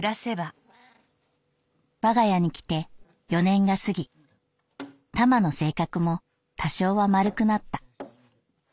「我家に来て四年が過ぎタマの性格も多少は丸くなった。